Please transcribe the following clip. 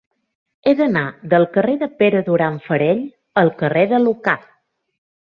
He d'anar del carrer de Pere Duran Farell al carrer de Lucà.